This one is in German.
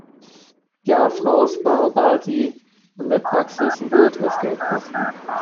Ja, Frau Sbarbati, in der Praxis wird es Geld kosten.